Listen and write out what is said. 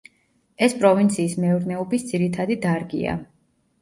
ეს პროვინციის მეურნეობის ძირითადი დარგია.